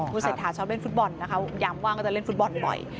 คุณเศรษฐาชอบเล่นฟุตบอลนะคะยามว่างก็จะเล่นฟุตบอลบ่อย